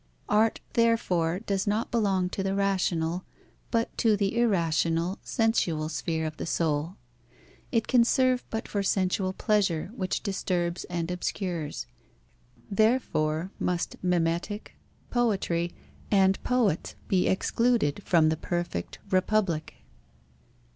Art therefore does not belong to the rational, but to the irrational, sensual sphere of the soul. It can serve but for sensual pleasure, which disturbs and obscures. Therefore must mimetic, poetry, and poets be excluded from the perfect Republic.